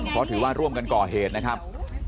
เพราะถือว่าร่วมกันก่อเหตุนะครับ